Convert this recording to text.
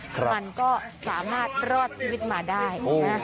มันก็สามารถรอดชีวิตมาได้